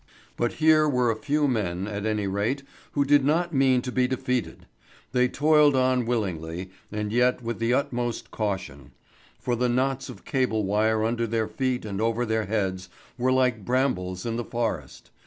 But here were a few men, at any rate, who did not mean to be defeated. They toiled on willingly, and yet with the utmost caution: for the knots of cable wire under their feet and over their heads were like brambles in the forest.